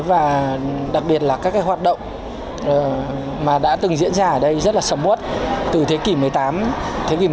và đặc biệt là các hoạt động mà đã từng diễn ra ở đây rất là sầm bốt từ thế kỷ một mươi tám thế kỷ một mươi